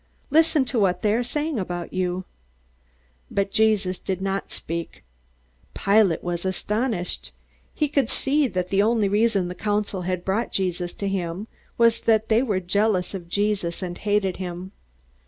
Listen to what they are saying about you!" But Jesus did not speak. Pilate was astonished. He could see that the only reason the council had brought Jesus to him was that they were jealous of Jesus and hated him.